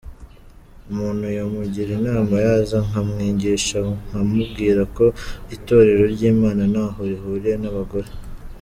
Umuntu yamugira inama yaza nkamwigisha nkamubwira ko itorero ry’ Imana ntaho rihuriye n’ abagore.